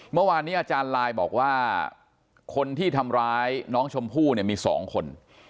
เมื่อวานนี้อาจารย์ลายบอกว่าคนที่ทำร้ายน้องชมพู่เนี่ยมี๒คน